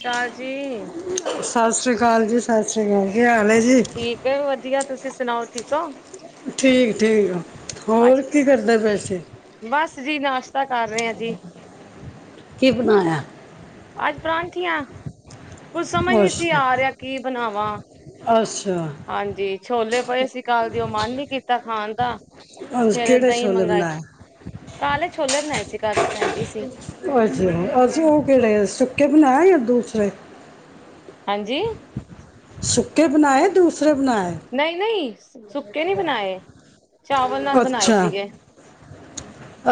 ਚਾਲ ਜੀ ਸਤਿ ਸ੍ਰੀ ਅਕਾਲ ਜੀ ਸਤਿ ਸ਼੍ਰੀ ਅਕਾਲ ਕੀ ਹਾਲ ਜੀ ਵੇ ਵਧੀਆ ਤੁਸੀਂ ਸੁਣਾਓ ਠੀਕ ਹੋ ਠੀਕ ਠੀਕ ਅੱਜ ਹੋਰ ਕੀ ਕਰਦਾ ਪਏ ਸੀ। ਬਸ ਜੀ ਨਾਸ਼ਤਾ ਕਰ ਰਹੇ ਆ ਜੀ ਕੀ ਬਣਾਇਆ ਅੱਜ ਪਰੌਂਠੀਆਂ ਕੁਝ ਸਮਝ ਨਹੀਂ ਸੀ ਅੱਛਾ ਆ ਰਿਹਾ ਕੀ ਬਣਾਵਾਂ ਅੱਛਾ। ਹਾਂਜੀ ਛੋਲੇ ਪਏ ਸੀ ਕੱਲ ਦੇ ਮਨ ਨੀ ਕੀਤਾ ਖਾਣ ਦਾ ਅੱਜ ਫਿਰ ਕਿਹੜੇ ਦਹੀਂ ਛੋਲੇ ਮੰਗਾਈ ਬਣਾਏ ਕਾਹਲੇ ਛੋਲੇ ਬਣਾਏ ਸੀ ਘਰ ਭੈਣਜੀ ਸੀ। ਅੱਛਾ ਅਸੀਂ ਉਹ ਕਿਹੜੇ ਸੁੱਕੇ ਬਣਾਏ ਯ ਦੂਸਰੇ ਹਾਂਜੀ ਸੁੱਕੇ ਬਣਾਏ ਦੂਸਰੇ ਬਣਾਏ ਨਹੀਂ ਨਹੀਂ ਸੁੱਕੇ ਨਹੀਂ ਬਣਾਏ ਚਾਵਲ ਨਾਲ ਬਣਾਏ ਅੱਛਾ ਸੀਗੇ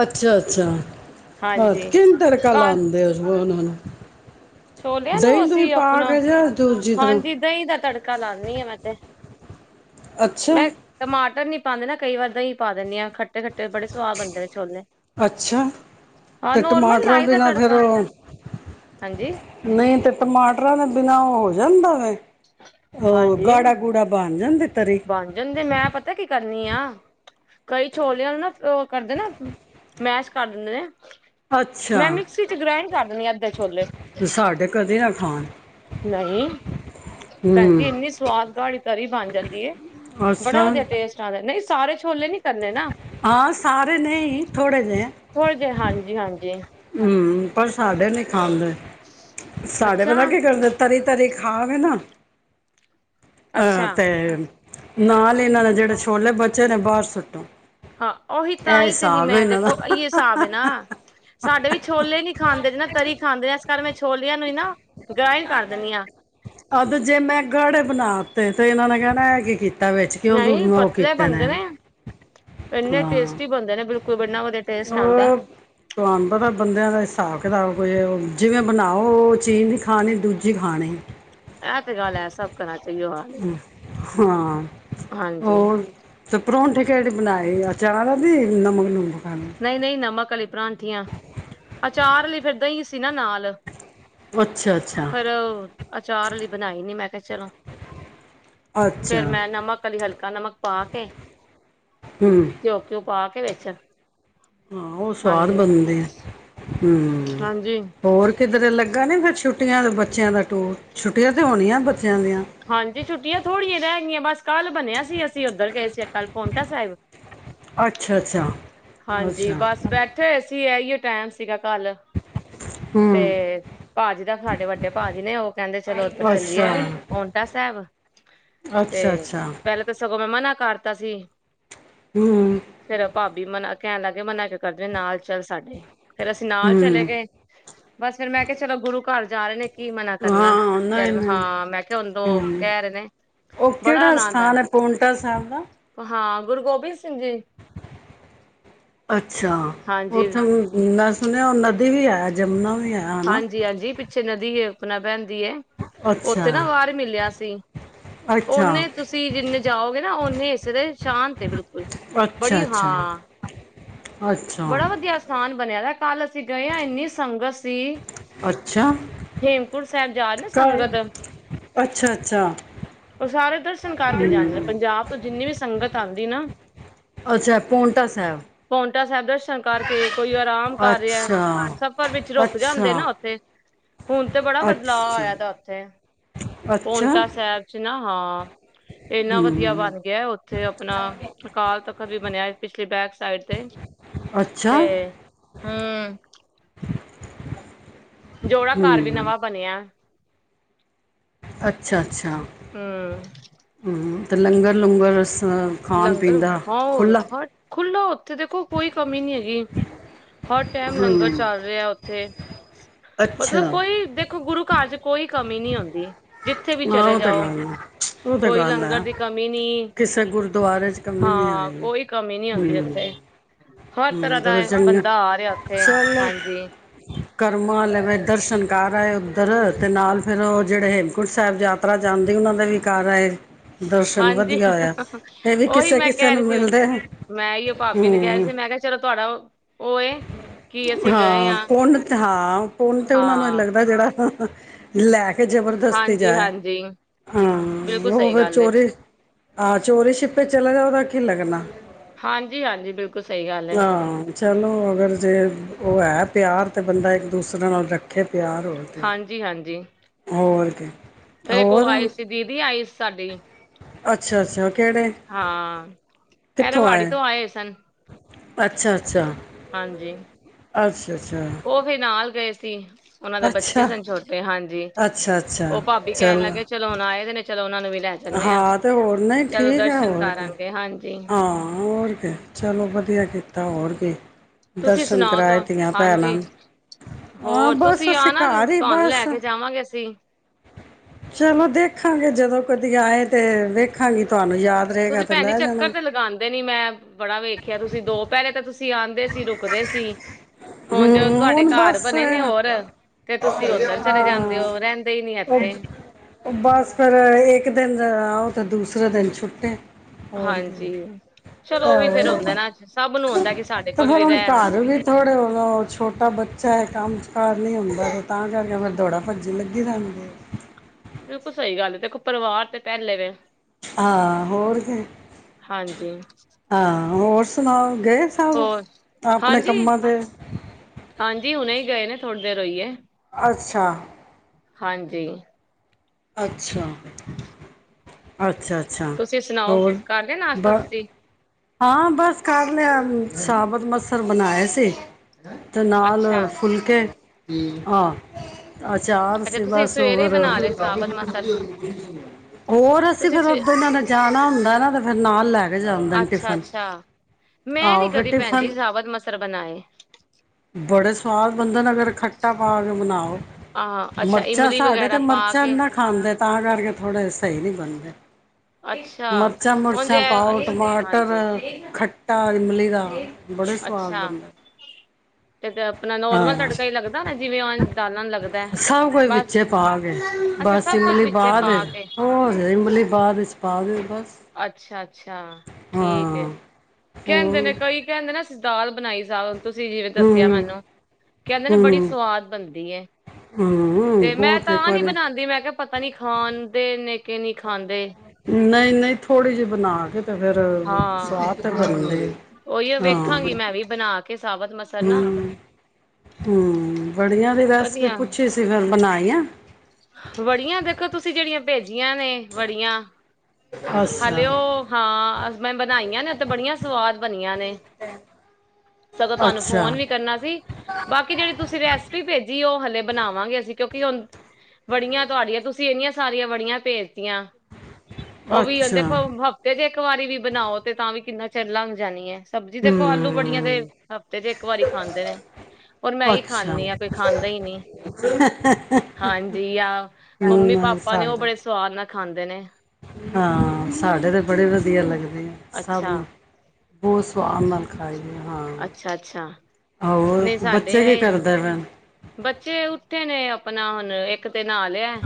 ਅੱਛਾ ਅੱਛਾ ਆਹ ਹਾਂਜੀ ਕਿੰਨ ਤਕਾ ਤਾਂ ਲਾਉਂਦੇ ਉਸ ਉਹਨਾ ਨੂੰ ਛੋਲਿਆਂ ਦਹੀਂ ਨੂੰ ਦੁਹੀਂ ਅਸੀਂ ਪਾ ਆਪਣਾ ਕੇ ਜਾਂ ਦੂਜੀ ਤਰ੍ਹਾਂ ਹਾਂਜੀ ਦਹੀ ਦਾ ਤੜਕਾ ਲਉਦੀ ਆ ਮੈਂ ਤੇ ਅੱਛਾ ਮੈਂ ਟਮਾਟਰ ਨੀ ਪਾਉਂਦੇ ਨਾ ਕਈ ਵਾਰ ਦਸੀਂ ਪਾ ਦਿੰਦੇ ਹਾਂ ਖੱਟੇ ਖੱਟੇ ਬੜੇ ਸਵਾਦ ਆਉਦੇ ਨੇ ਛੋਲੇ ਅੱਛਾ ਹਾਂ ਤੇ ਨੋਰਮਲ ਟਮਾਟਰਾਂ ਲਾਈ ਦਾ ਬਿਨਾਂ ਫਿਰ ਤੜਕਾ ਉਹ ਹਾਂਜੀ ਨਹੀਂ ਤਾਂ ਟਮਾਟਰਾਂ ਦੇ ਬਿਨਾਂ ਉਹ ਹੋ ਜਾਂਦਾ ਵ ਉਹ ਹਾਂਜੀ-ਹਾਂਜੀ ਗਾੜਾ ਗੂੜਾ ਬਣ ਜਾਂਦੇ ਤਰੇ ਬਣ ਜਾਂਦੇ ਮੈਂ ਪਤਾ ਪਤਾ ਕੀ ਕਰਨੀ ਆ ਕਈ ਛੋਲਿਆਂ ਨੂੰ ਨਾ ਉਹ ਕਰਦੇ ਨਾ ਮੈਸ਼ ਕਰ ਦਿੰਦੇ ਨੇ ਅੱਛਾ ਮੈਂ ਮਿਕਸੀ ਚ ਗ੍ਰਾਇੰਡ ਕਰ ਦੇਣੀ ਆ ਅੱਧੇ ਛੋਲੇ ਸਾਡੇ ਕਦੇ ਨਾ ਖਾਣ ਨਹੀਂ ਹੂੰ ਭੈਣਜੀ ਇੰਨੀ ਸਵਾਦ ਗਾੜੀ ਤਰੀ ਬਣ ਜਾਂਦੀ ਏ ਅੱਛਾ ਬੜਾ ਵਧੀਆ ਟੇਸਟ ਨਹੀਂ ਸਾਰੇ ਛੋਲੇ ਨੀ ਕਰਨੇ ਨਾ ਹਾਂ ਸਾਰੇ ਨੇ ਥੋੜੇ ਨੇ ਥੋੜੇ ਜਿਹੇ ਹਾਂਜੀ ਹਾਂਜੀ। ਹੂੰ ਪਰ ਸਾਡੇ ਨੀ ਖਾਦੇ ਸਾਡੇ ਪਤਾ ਕੀ ਅੱਛਾ-ਅੱਛਾ ਕਰਦੇ ਤਰੀ ਤਰੀ ਖਾਗੇ ਨਾ ਤੇ। ਨਾਲ ਹੀ ਇਹਨਾਂ ਨੇ ਜਿਹੜੇ ਛੋਲੇ ਬੱਚੇ ਨੇ ਬਾਹਰ ਸੁੱਟੋ ਹਾਂ, ਉਹੀ ਤਾਂ ਇਹ ਹੀ ਤੇ ਨੀ ਹਿਸਾਬ ਹੈ ਮੈਂ ਇਹਨਾਂ ਦਾ ਦੇਖੋ ਅਈਏ ਹਿਸਾਬ ਹੈ ਨਾ। ਸਾਡੇ ਵੀ ਛੋਲੇ ਨੀ ਖਾਂਦੇ ਜ ਨਾ ਤਰੀ ਖਾਂਦੇ ਨੇ ਇਸ ਕਰ ਮੈਂ ਛੋਲਿਆਂ ਨੂੰ ਹੀ ਨਾ। ਗ੍ਰਾਇਡ ਕਰ ਦਿੰਦੀ ਹਾਂ। ਅਦ ਜੇ ਮੈਂ ਗਾੜੇ ਬਣਾਤੇ ਤੇ ਇਹਨਾਂ ਨੇ ਕਹਿਣਾ ਇਹ ਕੀ ਕੀਤਾ। ਵਿੱਚੇ ਕਿਉਂ ਤੂੰ ਨਹੀਂ ਉਹ ਪਤਲੇ ਕੀਤੇ ਨੇ ਬਣਦੇ ਇੰਨੇ ਹਾਂ ਟੇਸਟੀ ਬਣਦੇ ਨੇ ਬਿਲਕੁਲ ਬੰਨਾ ਵਧੀਆ ਟੇਸਟ ਆਉਂਦਾ। ਅ ਤੁਹਾਨੂੰ ਪਤਾ ਬੰਦਿਆਂ ਦਾ ਹਿਸਾਬ ਕਿਤਾਬ ਕੋਈ ਜਿਵੇਂ ਬਣਾਓ ਉਹ ਚੀਜ਼ ਨਹੀਂ ਖਾਣੀ ਦੂਜੀ ਖਾਣੀ। ਇਹ ਤੇ ਗੱਲ ਹੈ ਸਭ ਕਰਨਾ ਚਾਹੀਏ। ਹਾਲ ਹਾਂ ਹਾਂਜੀ ਹੋਰ। ਤੇ ਪਰੌਂਠ ਕੇੜਏ ਬਣਾਏ ਆਚਾਰ ਦਾ ਦੀ ਨਮਕ ਨੁਮਕ ਵਾਲੇ ਨਹੀਂ ਨਹੀਂ, ਨਮਕ ਵਾਲੀਆਂ ਪਰੌਂਠੀਆਂ ਅਚਾਰ ਲਈ ਫਿਰਦਾ ਹੀ ਸੀ ਨਾ ਨਾਲ ਅੱਛਾ ਅੱਛਾ ਫਿਰ ਅਚਾਰ ਲਈ ਬਣਾਈ ਨੀ ਮੈਂ ਕਿਹਾ ਚਲੋ। ਫੇਰ ਅੱਛਾ ਮੈਂ ਨਮਕ ਵਾਲੀ ਹਲਕਾ ਨਮਕ ਪਾ ਕੇ ਹੂੰ ਜੋ। ਘਿਓ ਪਾ ਕੇ ਵਿੱਚ। ਹਾਂ, ਉਹ ਸਵਾਦ ਹਾਂਜੀ ਬਣਦੇ ਆ ਹੂੰ। ਹਾਂਜੀ ਹੋਰ ਕਿਧਰ ਲੱਗਾ ਨਹੀਂ ਫਿਰ ਛੁੱਟੀਆਂ ਦਾ ਬੱਚਿਆਂ ਦਾ ਟੂਰ ਛੁੱਟੀਆਂ ਤਾਂ ਹੋਣੀਆਂ ਬੱਚਿਆਂ ਦੀਆਂ। ਹਾਂਜੀ, ਛੁੱਟੀਆਂ ਥੋੜੀਆਂ ਰਹਿ ਗਈਆਂ ਬਸ ਕੱਲ੍ਹ ਬਣਿਆ ਸੀ ਅਸੀਂ ਉੱਧਰ ਗਏ ਸੀ ਕੱਲ ਪਾਉਂਟਾ ਸਾਹਿਬ ਬ। ਅੱਛਾ ਅੱਛਾ ਹਾਂਜੀ, ਅੱਛਾ ਬਸ ਬੈਠ। ਉੱਥੇ ਸੀ ਹੀਏ ਟਾਈਮ ਸੀਗਾ ਕੱਲ ਤੇ ਹੂੰ ਭਾਜੀ ਦਾ ਸਾਡੇ ਵੱਡੇ ਭਾ ਜੀ ਨੇ ਉਹ ਕਹਿੰਦੇ ਚਲੋ ਓਦੋ ਤਕ ਚੱਲੀਏ। ਅੱਛਾ ਸਾਹਿਬ ਤੇ ਅੱਛਾ ਅੱਛਾ ਪਹਿਲੇ ਤਾਂ ਸਗੋਂ ਮੈਂਮਨਾ ਕਰਤਾ ਸੀ। ਹੂੰ, ਫੇਰ ਭਾਬੀ ਮਨਾ ਕਹਿਣ ਲੱਗ ਗਏ ਮਨਾ ਕਿਉਂ ਕਰਦੇ ਨਾਲ ਚੱਲ ਸਾਡੇ ਫੇਰ ਅਸੀਂ ਨਾਲ ਚਲੇ ਹੂੰ ਗਏ। ਬਸ ਫੇਰ ਮੈਂ ਕਿਹਾ ਚਲੋ ਗੁਰੂ ਘਰ ਜਾ ਰਹੇ ਨੇ ਕੀ ਮਨਾ ਕਰਨਾ ਹਾਂ ਨਹੀਂ ਫਿਰ ਨਹੀਂ ਹਾਂ ਮੈਂ ਦੋ ਹਮ ਕਹਿ ਰਹੇ ਨੇ ਉਹ ਬੜਾ ਕਿਹੜਾ ਆਨੰਦ ਆ। ਸਥਾਨ ਹੈ ਪੋਂਟਾ ਸਾਹਿਬ ਦਾ ਹਾਂ, ਗੁਰੂ ਗੋਬਿੰਦ ਸਿੰਘ ਜੀ। ਅੱਛਾ, ਹਾਂਜੀ ਉੱਥੇ ਮੈਂ ਸੁਣਿਆ ਨਦੀ ਵੀ ਹੈ ਜਮੁਨਾ ਵੀ ਹੈ ਹਨਾ ਹਾਂਜੀ ਹਾਂਜੀ, ਪਿੱਛੇ ਨਦੀ ਹੈਣਾ ਪੈਦੀ ਹੈ ਅੱਛਾ ਉੱਥੇ ਨਾ ਵਾਹਾਰ ਮਿਲਿਆ ਸੀ। ਅੱਛਾ ਓਨੇ ਤੁਸੀਂ ਜਿੰਨੇ ਜਾਓਗੇ ਨਾ, ਓਨੇ ਹਿੱਸੇ ਦੇ ਸ਼ਾਂਤ ਏ ਬਿਲਕੁਲ। ਬੜੀ ਅੱਛਾ-ਅੱਛਾ! ਹਾਂ ਬੜਾ ਵਧੀਆ ਅਸਥਾਨ ਬਣਿਆ ਵ। ਕੱਲ ਅਸੀਂ ਗਏ ਆਂ ਇੰਨੀ ਸੰਗਤ ਸੀ। ਅੱਛਾ ਹੇਮਕੁੰਟ ਸਾਹਿਬ ਜਾ ਰੀ ਆ ਨਾ ਸੰਗਤ ਘਰ ਅੱਛਾ ਅੱਛਾ ਉਹ ਸਾਰੇ ਦਰਸ਼ਨ ਕਰਕੇ ਹਮ ਜਾਂਦੇ ਨੇ ਪੰਜਾਬ ਜਿੰਨੀ ਵੀ ਸੰਗਤ ਆਂਦੀ ਨਾ। ਅੱਛਾ! ਪੋਂਟਾ ਸਾਹਿਬ ਪੋਂਟਾ ਸਾਹਿਬ ਦਰਸ਼ਨ ਕਰਕੇ ਕੋਈ ਆਰਾਮ ਕਰ ਰਿਹਾ, ਅੱਛਾ ਸਫ਼ਰ ਵਿੱਚ ਰੁਕ ਅੱਛਾ ਜਾਂਦੇ ਨਾ ਉੱਥੇ। ਹੁਣ ਤੇ ਬੜਾ ਬਦਲਾਵ ਅੱਛਾ ਆਇਆ ਤ ਉੱਥੇ ਅੱਛਾ ਪੋਂਟਾ ਸਾਹਿਬ 'ਚ ਨਾ ਹਾਂ। ਏਨਾ ਵਧੀਆ ਹਮ ਬਣ ਗਿਆ ਓ। ਥੇ ਆਪਣਾ ਅਕਾਲ ਤਖ਼ਤ ਵੀ ਬਣਿਆ ਪਿਛਲੀ ਬੈਕ ਸਾਈਡ ਤੇ। ਅੱਛਾ! ਤੇ ਹੂੰ ਜੋੜਾ- ਘਰ ਵੀ ਹਮ ਨਵਾਂ ਬਨਿਆਂ। ਅੱਛਾ- ਅੱਛਾ! ਹੂੰ। [unintelligible] ਲੰਗਰ- ਲੁਗਰ ਅ ਸਾ ਲੰਗਰ ਹੋਰ ਹ [unintelligible] ਖੁੱਲਾ ਉੱਥੇ, ਦੇਖੋ ਕੋਈ ਕਮੀ ਨਹੀਂ ਹੈਗੀ, ਹਰ ਟਾਈਮ ਲੰਗਰ ਹਮ ਚੱਲ ਰਿਹਾ ਉੱਥੇ। [unintelligible] ਅੱਛਾ ਮਤਲਬ ਕੋਈ ਦੇਖੋ, ਗੁਰੂ ਘਰ 'ਚ ਕੋਈ ਕਮੀ ਨਈ ਆਂਦੀ। ਨਾ ਉਹ ਤੇ ਗੱਲ ਹੈ, ਉਹ ਤੇ ਕੋਈ ਗੱਲ ਐ, ਲੰਗਰ ਦੀ ਕਮੀ ਨੀ ਕਿਸੇ ਗੁਰਦੁਆਰੇ 'ਚ ਕਮੀ ਨਹੀਂ ਹਾਂ, ਆਵੇਗੀ ਕੋਈ ਕਮੀ ਨਹੀਂ ਆਉਂਦੀ ਹਮ ਐਥੇ। ਹਰ ਹਮ ਤਰ੍ਹਾਂ ਤੇ ਦਾ ਫਿਰ ਚੰਗਾ ਬੰਦਾ ਆ ਰਿਹਾ ਉੱਥੇ, ਹਾਂਜੀ। ਕਰਮਾ ਆਲੇ ਵੇ ਦਰਸ਼ਨ ਕਰ ਆਏ ਉਦਰ, ਤੇ ਨਾਲ ਫਿਰ ਉਹ ਜਿਹੜੇ ਕੂਂਟ ਸਾਹਿਬ ਜਾਤਰਾ ਜਾਂਦੀ, ਉਹਨਾਂ ਦੇ ਵੀ ਕਰ ਆਏ। ਦਰਸ਼ਨ ਹਾਂਜੀ ਵਧੀਆ ਹੋਇਆ? ਇਹ ਵੀ ਉਹੀ ਕਿਸੇ- ਮੈਂ ਕਿਸੇ ਕਹਿ ਨੂੰ ਰਹੀ ਸੀ ਮਿਲਦੇ ਨੇ। ਮੈਂ ਅਇਓ ਭਾਬੀ ਨੂ ਕੇਆ ਰਈ ਸੀ ਮੈਂ ਕਿਹਾ ਚਲੋ ਤੁਹਾਡਾ ਓ, ਓ ਏ। ਕਿ ਅਸੀਂ ਗਏ ਹਾਂ ਪੁੰਨ, ਹਾਂ ਪੁੰਨ ਤੇ ਉਨਾਂ ਨੂੰ ਹੀ ਹਾਂ ਲੱਗਦਾ ਏ ਜਿਹੜਾ [unintelligible] ਲੈ ਕੇ ਜਬਰਦਸਤੀ ਹਾਂਜੀ ਜਾਏ, ਹਾਂਜੀ ਬਿਲਕੁਲ ਹਾਂ ਓ ਸਹੀ ਫਿਰ ਗੱਲ ਏ, ਚੋਰੀ [inaudible] ਆਹ ਚੋਰੀ- ਛਿਪੇ ਚਲਾ ਜਾਏ, ਉਹਦਾ ਕੀ ਲੱਗਨਾ। ਹਾਂਜੀ -ਹਾਂਜੀ, ਬਿਲਕੁਲ ਸਹੀ ਗੱਲ ਐ। ਹਾਂ ਚਲੋ ਅਗਰ ਜੇ ਉਹ ਹੈ ਪਿਆਰ, ਤੇ ਬੰਦਾ ਏਕ- ਦੂਸਰੇ ਨਾਲ ਰੱਖੇ ਪਿਆਰ ਹੋਰ ਕੀ ਹਾਂਜੀ ਹਾਂਜੀ, ਹੋਰ ਫੇਰ ਇੱਕ ਉਹ ਹੋਰ ਆਈ ਸੀ। ਦੀਦੀ ਆਈ ਸੀ ਸਾਡੀ। ਅੱਛਾ ਅੱਛਾ, ਕਿਹੜੇ? ਹਾਂ, ਪੈਰਵਾੜੀ ਤੋਂ ਆਏ ਸਨ। ਅੱਛਾ ਅੱਛਾ, ਹਾਂਜੀ, ਅੱਛਾ ਅੱਛਾ ਉਹ ਫਿ ਨਾਲ ਗਏ ਸੀ। ਉਹਨਾਂ ਦੇ ਬੱਚੇ ਅੱਛਾ ਸਨ ਛੋਟੇ, ਹਾਂਜੀ ਅੱਛਾ ਅੱਛਾ ਉਹ ਭਾਬੀ ਕਹਿਣ ਲੱਗੇ ਚਲੋ ਹੁਨ ਆਏ ਦੇ- ਨੇ ਚਲੋ ਉਹਨਾਂ ਨੂੰ ਵੀ ਲੈ ਜਾਂਨੇ ਆ। ਹਾਂ ਤੇ ਹੋਰ ਨਈ ਚਲੋ ਠੀਕ ਹੈ, ਦਰਸ਼ਨ ਹੋਰ ਕਰ ਤੇ, ਆਣਗੇ ਹਾਂਜੀ, ਹਾਂ ਹੋਰ ਕੀ। ਚਲੋ ਵਧੀਆ ਕੀਤਾ ਹੋਰ ਕੀ, ਤੁਸੀਂ ਦਰਸ਼ਨ ਸੁਣਾਓ ਕਰਾਏ ਤੁਹਾ ਧੀਆਂ -ਭੈਣਾਂ ਹਾਂਜੀ, ਹਾਂ, ਹੋਰ ਬਸ ਤੁਸੀਂ ਅਸੀ ਆਣਾ ਘਰ ਈ ਤੁਹਾਨੂੰ ਲੈ ਬਸ। ਕੇ ਜਾਵਾਂਗੇ ਅਸੀਂ। ਚਲੋ ਦੇਖਾਂਗੇ ਜਦੋਂ ਕਦੀ ਆਏ ਤੇ, ਵੇਖਾਂਗੀ ਤੁਹਾਨੂੰ ਯਾਦ ਰੇਗਾ ਤੇ -ਲੈ ਜਾਣਾ। ਨਹੀ- ਨਹੀ ਮੈਂ ਬੜਾ ਵੇਖਿਆ, ਤੁਸੀਂ ਦੋ ਪੈਹਲੇ ਤੇ ਤੁਸੀਂ ਆਂਦੇ ਸੀ- ਰੁਕਦੇ ਸੀ। ਹੋਨ ਜਦੋ, ਹੂੰ ਤੁਹਾਡੇ ਹੁਣ ਘਰ ਬਸ ਬਨੇ ਨੇ ਹਾਂ ਹੋਰ ਤੇ ਤੁਸੀਂ ਓਦਰ ਚਲੇ ਜਾਂਦੇ ਹੋ, ਰਹਿੰਦੇ ਈ ਨੀ ਏਥੇ। ਓ ਬਸ ਫਿਰ ਇੱਕ ਦਿਨ ਆਓ ਤੇ, ਦੂਸਰੇ ਦਿਨ ਛੁਟੀ। ਹਾਂਜੀ। ਚਲੋ ਉਹ ਵੀ ਫੇਰ ਹੋਂਦਾ ਹੇਨਾ। ਤੇ ਸਭ ਨੂੰ ਹੋਂਦਾ ਕਿ ਸਾਡੇ ਕੋਲ ਵੀ ਰੈਨ। [unintelligible] ਓ ਛੋਟਾ ਬੱਚਾ ਹੈ, ਕੰਮ ਵਿਚਕਾਰ ਨਹੀਂ ਹੁੰਦਾ, ਫੇਰ ਤਾਂ ਕਰਕੇ ਫੇਰ ਦੌੜਾ -ਭੱਜੀ ਲੱਗੀ ਰੈਂਦੀ ਏ। ਬਿਲਕੁਲ ਸਹੀ ਗੱਲ ਏ, ਦੇਖੋ ਪਰਿਵਾਰ ਤੇ ਪਹਿਲੇ ਵੇ। ਹਾਂ। ਹੋਰ ਕਿ ਹਾਂਜੀ ਹਾਂ। ਹੋਰ ਸੂਨਾਓ ਗਏ ਸੀ? ਤੂ, ਹੋਰ ਆਪਣੇ ਹਾਂਜੀ ਕੰਮਾਂ ਤੇ। ਹਾਂਜੀ। ਹੁਣੇ ਹੀ ਗਏ ਨੇ, ਥੋੜ੍ਹੀ ਦੇਰ ਹੋਈਏ। ਅੱਛਾ। ਹਾਂਜੀ। ਅੱਛਾ- ਅੱਛਾ- ਅੱਛਾ। ਤੁਸੀਂ ਸੁਣਾਓ ਹੋਰ ਕਰ ਲਿਆ ਨਾਸ਼ਤਾ ਬ ਤੁਸੀਂ ਹਾਂ, ਬਸ ਕਰ ਲੇਆ। ਸਾਬਤ ਮਸਰ ਬਨਾਏ ਸੀ। ਤੇ ਨਾਲ, ਅੱਛਾ ਫੁਲਕੇ ਹਾਂ। ਅਚਾਰ ਅੱਛਾ ਸੀ ਤੁਸੀਂ ਬਸ ਸਵੇਰੇ ਹੋਰ। ਬਣਾ ਲਏ ਸਾਬਤ ਮਸਰ ਹੋਰ ਅਸੀਂ ਤੁਸੀਂ ਫਿਰ ਓ ਸਵੇ ਦੋਂਨਾ ਨਾਲ ਜਾਣਾ ਹੁੰਦਾ ਏ ਨਾ। ਤੇ ਫੇਰ ਨਾਲ ਲੈਕੇ ਜਾਂਦੇ ਨੇ ਟਿਫ ਅੱਛਾ ਅੱਛਾ। ਮੈਂ ਨੀ ਕਦੀ ਭੈਣ ਜੀ ਟਿਫਨ ਸਬਤ ਮਸਰ ਬਣਾਏ। ਬੜੇ ਸਵਾਦ ਬੰਦੇਨ, ਅਗਰ ਖੱਟਾ ਪਾ ਕੇ ਬਨਾਓ। ਆਹ ਅੱਛਾ ਮਿਰਚਾਂ ਇਮਲੀ ਸਾਡੇ ਤੇ ਵਗੈਰਾ ਪਾ ਮਿਰਚਾਂ ਕੇ ਨਾ ਖਾਂਦੇ। ਤਾਂ ਕਰਕੇ ਥੋੜੇ ਸਹੀ ਨਹੀਂ ਬਣਦੇ। ਅੱਛਾ, ਮਰਚਾਂ ਉਂਝ -ਮੁੁਰਚਾਂ ਐ- ਪਾਓ, ਅੱਛ ਟਮਾਟਰ, ਹਾਂਜੀ, ਖੱਟਾ ਇਮਲੀ ਦਾ। ਬੜੇ ਸਵਾਦ ਅੱਛਾ ਬਣਦੇ। ਤੇ, ਤੇ ਆਪਣਾ ਨੋਰਮਲ ਹਾਂ ਤੜਕਾ ਲੱਗਦਾ ਨਾ ਜਿਵੇਂ ਦਾਲਾਂ ਲੱਗਦਾ। ਸਭ ਕੁਝ ਬਸ ਵਿੱਚੇ ਪਾ ਕੇ ਅੱਛਾ ਬਸ ਸਭ ਕੁਛ ਇਮਲੀ ਵਿੱਚੇ ਬਾਦ। ਪਾ ਕੇ ਹੋਰ ਇਮਲੀ ਬਾਅਦ ਵਿੱਚ ਪਾ ਦੇ ਬਸ। ਅੱਛਾ-ਅੱਛਾ ਠੀਕ ਹੈ। ਹਾਂ ਕਹਿੰਦੇ ਹੋਰ ਨੇ ਕਈ ਕਹਿੰਦੇ ਨੇ ਅਸੀਂ ਦਾਲ ਬਣਾਈ ਜਿਆਦਾ। ਤੁਸੀਂ ਜਿਵੇਂ ਦੱਸਿਆ ਹੂੰ ਮੈਨੂੰ। ਕਹਿੰਦੇ ਨੇ ਬੜੀ ਹੂੰ ਸਵਾਦ ਬਣਦੀ। ਹੂੰ ਤੇ ਮੈਂ ਬਹੁਤ ਇੱਕ ਤਾਂ ਨੀ ਵਾਰੀ ਬਣਾਉਦੀ ਮੈਂ ਕਿਹਾ ਪਤਾ ਨੀ ਖਾਂਦੇ ਨੇਕੇ ਨਹੀਂ ਖਾਂਦੇ। ਨਹੀਂ-ਨਹੀਂ ਥੋੜ੍ਹੀ ਜਿਹੀ ਬਣਾ ਕੇ ਤੇ ਫੇਰ ਸਵਾਦ ਤੇ ਬਣੀ। ਉਓਹੀਓ ਵੇਖਾਂਗੀ ਮੈਂ ਵੀ ਬਣਾ ਕੇ ਸਾਾਬਤ ਮਸਰ ਨਾ। ਹਮ। ਬੜੀਆਂ ਦੀ ਰੈਸਪੀ ਵਧੀਆ ਪੁੱਛੀ ਸੀ ਫੇਰ ਬਣਾਈ ਆ। ਵੜੀਆਂ ਇਸ ਦੇਖੋ ਤੁਸੀਂ ਜਿਹੜੀਆਂ ਭੇਜੀਆਂ ਨੇ। ਵੜੀਆਂ, ਅੱਛਾ ਹਲੇਓ ਹਾਂ। ਮੈਂ ਬਣਾਈਆਂ ਨੇ ਤੇ ਬੜੀਆਂ ਸਵਾਦ ਬਣੀਆਂ ਨੇ। ਸਗੋਂ ਤੁਹਾਨੂੰ ਅੱਛਾ ਫੋਨ ਵੀ ਕਰਨਾ ਸੀ। ਬਾਕੀ ਜਿਹੜੀ ਤੁਸੀਂ ਰੈਸਪੀ ਭੇਜੀ ਏ, ਉਹ ਹਲੇ ਬਣਾਵਾਂਗੇ ਅਸੀਂ। ਕਿਉਂਕਿ ਹੋਨ ਵੜੀਆਂ ਤੁਹਾਡੀਆਂ, ਤੁਸੀਂ ਇਹਨੀਆਂ ਸਾਰੀਆਂ ਵੜੀਆਂ ਭੇਜਤੀਆਂ। ਉਹ ਵੀ ਹੋਨ ਅੱਛਾ ਦੇਖੋ ਹਫ ਤੇ ਜੇ ਇੱਕ ਵਾਰੀ ਵੀ ਬਨਾਓ ਤੇ, ਤਾਂ ਵੀ ਕਿੰਨਾ ਚੇਰ ਲੰਘ ਜਾਨੀ ਏ। ਸਬਜ਼ੀ ਦੇਖੋ ਆਲੂ- ਬੜੀਆਂ ਤੇ ਹੂੰ ਹਫ਼ਤੇ ਚ' ਇਕ ਵਾਰੀ ਖਾਂਦੇ ਨੇ। ਹਰ ਮੈਂ ਹੀ ਖਾਂਦੀ ਹਾਂ। ਕੋਈ ਖਾਂਦਾ ਹੀ ਨਹੀਂ। ਹ ਹਾਂ। ਯਆ। ਮੰਮੀ- ਪਾਪਾ ਨੇ ਉਹ ਬੜੇ ਸਵਾਦ ਨਾਲ ਖਾਂਦੇ ਨੇ। ਹਾਂ। ਸਾਡੇ ਤਾਂ ਬੜੇ ਵਧੀਆ ਲੱਗਦੇ ਆ। ਸਭ ਅੱਛਾ। ਨੂੰ ਬਹੁਤ ਸੋਵਾਦ ਨਾਲ ਖਾਈਦੇ ਹਾਂ। ਅੱਛਾ ਅੱਛਾ ਨਹੀਂ ਆਹ ਸਾਡੇ ਬੱਚੇ ਕੀ ਇਹ ਕਰਦੇਣ। ਬੱਚੇ ਉੱਥੇ ਨੇ ਆਪਣਾ ਹੁਣ ਇੱਕ ਤੇ ਨਹਾ ਲਿਆ।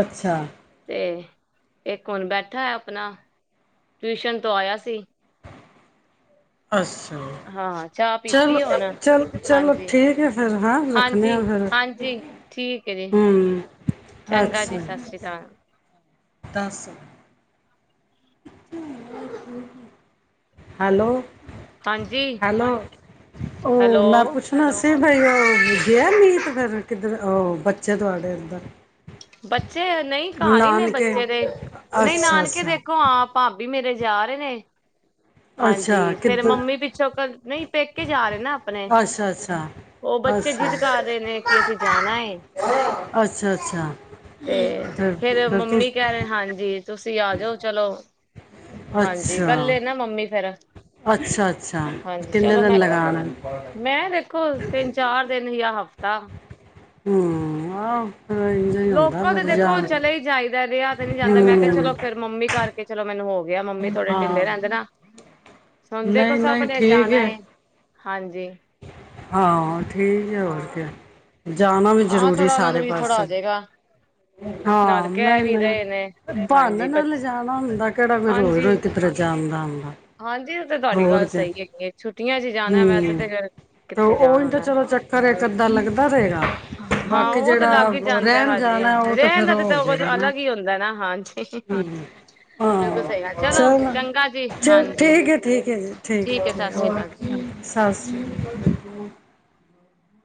ਅੱਛਾ ਤੇ ਇੱਕ ਹੁਣ ਬੈਠਾ ਹੈ ਆਪਣਾ। ਟਿਊਸ਼ਨ ਤੋਂ ਆਇਆ ਸੀ। ਅਸ। ਹਾਂ ਚਾਹ ਚਲੋ, ਪੀਤੀ ਹੁਣ ਚੱਲ ਚਲੋ, ਹਾਂਜੀ ਠੀਕ ਹੈ। ਫੇਰ ਹਾਂ। ਰੱਖਣੇ ਆ ਹਾਂਜੀ ਫਿਰ ਹਾਂਜੀ ਠੀਕ ਹੈ ਜੀ। ਹੂੰ ਚੰਗਾ ਜੀ। ਸਤਿ ਸ਼੍ਰੀ ਅਕਾਲ। ਦਸ। [unintelligible] ਹੈਲੋ ਹਾਂਜੀ ਹੈਲੋ ਓ ਹੈਲੋ ਮੈਂ ਪੁੱਛ ਅਸੀਂ ਬਾਈ ਉਹ ਗਿਆ ਮੀਤ ਫਿਰ ਕਿੱਧਰ ਉਹ ਬੱਚੇ ਤੁਹਾਡੇ ਅੰਦਰ ਬੱਚੇ ਨਹੀਂ ਘਰ ਹੀ ਨੇ ਨਾਨਕੇ ਬੱਚੇ ਦੇ ਨਹੀਂ ਅੱਛਾ ਨਾਨਕੇ ਅੱਛਾ ਦੇਖੋ ਆਪ ਭਾਬੀ ਮੇਰੇ ਜਾ ਰਹੇ ਨੇ ਅੱਛਾ ਹਾਂਜੀ ਫੇਰ ਕਿੱਧਰ ਮੰਮੀ ਪਿੱਛੋਂ ਨਹੀਂ ਪੇਕੇ ਜਾ ਰਹੇ ਨਾ ਆਪਣੇ ਅੱਛਾ ਅੱਛਾ ਉਹ ਬੱਚੇ ਅੱਛਾ ਜਿੱਦ ਕਰ ਰਹੇ ਨੇ ਕਿ ਅਸੀਂ ਜਾਣਾ ਹੈ ਅੱਛਾ ਅੱਛਾ ਤੇ ਫਿਰ ਫੇਰ ਫਿਰ ਤੁ ਮੰਮੀ ਕਹਿ ਰਹੇ ਹਾਂਜੀ ਤੁਸੀਂ ਆ ਜਾਓ ਚਲੋ ਹਾਂਜੀ ਅੱਛਾ ਕੱਲੇ ਨਾ ਮੰਮੀ ਫੇਰ ਅੱਛਾ ਅੱਛਾ ਹਾਂਜੀ ਕਿੰਨੇ ਚਲੋ ਦਿਨ ਮੈਂ ਲਗਾ ਨਾ ਮੈਂ ਦੇਖੋ ਤਿੰਨ ਚਾਰ ਦਿਨ ਹੀ ਆ ਹਫ਼ਤਾ ਹਮ ਆਹ [inaudible] ਲੋਕਲ ਤੇ ਫਿਰ ਦੇਖੋ ਜਾਣ ਚਲੇ ਹੀ ਜਾਈਦਾ ਰਿਹਾ ਤੇ ਨਹੀਂ ਜਾਂਦਾ ਮੈਂ ਕਿਹਾ ਹਮ ਚਲੋ ਫਿਰ ਮੰਮੀ ਕਰਕੇ ਚਲੋ ਮੈਨੂੰ ਹੋ ਗਿਆ ਮੰਮੀ ਥੋੜੇ ਹਾਂ ਢਿੱਲੇ ਰਹਿੰਦੇ ਨਾ ਹੁਣ ਦੇਖੋ ਨਹੀਂ ਸਭ ਨਹੀਂ ਨੇ ਠੀਕ ਜਾਣਾ ਹੈ ਹਾਂਜੀ ਹਾਂ ਠੀਕ ਹੈ ਹਾਂ ਹੋਰ ਕੀ ਜਾਣਾ ਵੀ ਹਾਂ ਜ਼ਰੂਰੀ ਥੋੜਾ ਉਹਨਾਂ ਨੂੰ ਸਾਰੇ ਵੀ ਥੋੜਾ ਪਾਸੇ ਹੋ ਜਾਏਗਾ ਨਾਲ ਹਾਂ ਕਹਿ ਵੀ ਨਹੀਂ-ਨਹੀਂ ਰਹੇ ਨੇ ਬਹਾਨੇ ਹਾਂਜੀ ਬ ਨਾਲ ਲਿਜਾਣਾ ਹੁੰਦਾ ਕਿਹੜਾ ਵੀ ਰੋਜ਼ ਹਾਂਜੀ ਰੋਈ ਸਜ਼ਾਦਾ ਅਉ ਹਾਂਜੀ ਉਹ ਤੇ ਤੁਹਾਡੀ ਗੱਲ ਸਹੀ ਹੈਗੀ ਹੈ ਛੁੱਟੀਆਂ ਚ ਹੀ ਜਾਣਾ ਵੈਸੇ ਹੂੰ ਤਾਂ ਫੇਰ ਤੇ ਕਿੱਥੇ ਜਾਣ ਉਹੀ ਤਾਂ ਹੋਣਾ ਚਲੋ ਚੱਕਰ ਏਕ ਅੱਧਾ ਲੱਗਦਾ ਰਹੇਗਾ ਹਾਂ ਬਾਕੀ ਉਹ ਤੇ ਜਿਹੜਾ ਲੱਗ ਹੀ ਜਾਂਦਾ ਰਹਿਣ ਜਾਣਾ ਹਾਂਜੀ ਉਹ ਰਹਿਣ ਫੇਰ ਦਾ ਤੇ ਤਾਂ ਹੋ ਉਹ ਕੁਛ ਜਾਏਗਾ ਨਾ ਅਲੱਗ ਹੀ ਹੁੰਦਾ ਨਾ ਹਾਂਜੀ ਹੂੰ ਬਿਲਕੁਲ ਸਹੀ ਆ ਹਾਂ ਚਲੋ ਚੰਗਾ ਜੀ ਚਲੋ ਹਾਂਜੀ ਠੀਕ ਹੈ-ਠੀਕ ਹੈ-ਜੀ ਠੀਕ ਹੈ ਸਤਿ ਠੀਕ ਸ੍ਰੀ ਅਕਾਲ ਜੀ ਓਕੇ ਸਤਿ ਸ਼੍ਰੀ ਅਕਾਲ